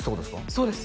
そうです